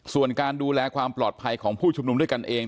ส่วนการดูแลความปลอดภัยของผู้ชุมนุมด้วยกันเอง